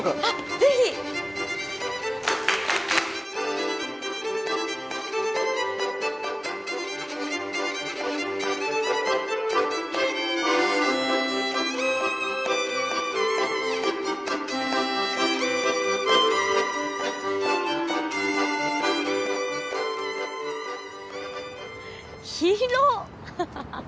ぜひ広っ